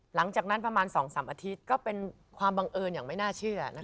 หลังจากนั้นประมาณ๒๓อาทิตย์ก็เป็นความบังเอิญอย่างไม่น่าเชื่อ